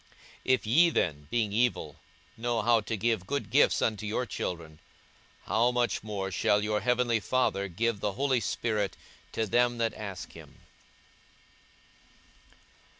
42:011:013 If ye then, being evil, know how to give good gifts unto your children: how much more shall your heavenly Father give the Holy Spirit to them that ask him?